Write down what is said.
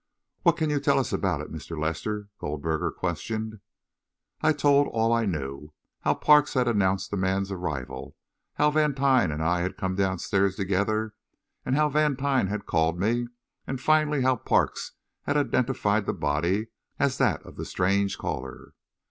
"What can you tell us about it, Mr. Lester?" Goldberger questioned. I told all I knew how Parks had announced a man's arrival, how Vantine and I had come downstairs together, how Vantine had called me, and finally how Parks had identified the body as that of the strange caller.